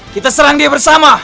kita serang dia bersama